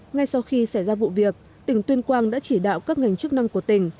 ngay sau khi xảy ra vụ việc tỉnh tuyên quang đã chỉ đạo các ngành chức năng của tỉnh